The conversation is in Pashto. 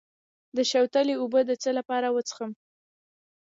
د شوتلې اوبه د څه لپاره وڅښم؟